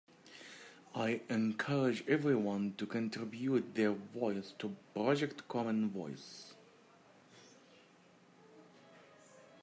I encourage everyone to contribute their voice to Project Common Voice.